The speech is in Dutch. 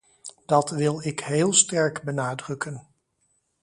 Dat wil ik heel sterk benadrukken.